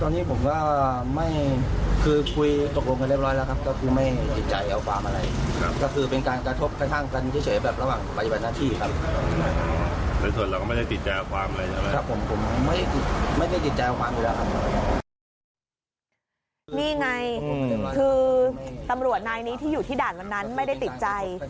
นี่ไงคือตำรวจนายนี้ที่อยู่ที่ด่านวันนั้นไม่ได้ติดใจ